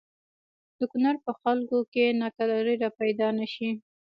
د کونړ په خلکو کې ناکراری را پیدا نه شي.